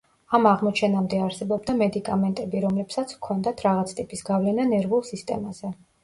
ამ აღმოჩენამდე არსებობდა მედიკამენტები, რომლებსაც ჰქონდათ რაღაც ტიპის გავლენა ნერვულ სისტემაზე.